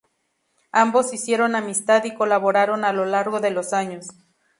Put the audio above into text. Ambos hicieron amistad y colaboraron a lo largo de los años.